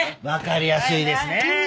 わかりやすいですねえ。